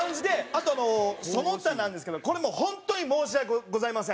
あとその他なんですけどこれもう本当に申し訳ございません。